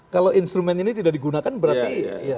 kalau instrumen ini tidak digunakan berarti